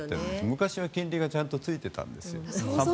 昔は金利がちゃんとついてたんですよ。